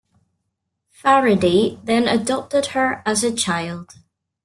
Faridi then adopted her as a child.